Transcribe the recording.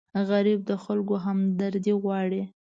غریب د خلکو همدردي غواړي